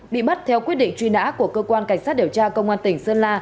bị bắt theo quyết định truy nã của cơ quan cảnh sát điều tra công an tỉnh sơn la